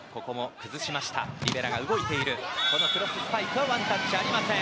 クロススパイクはワンタッチありません。